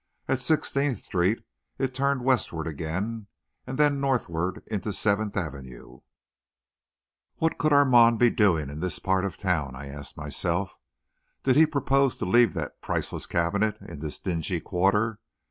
At Sixteenth Street, it turned westward again, and then northward into Seventh Avenue. What could Armand be doing in this part of the town, I asked myself? Did he propose to leave that priceless cabinet in this dingy quarter?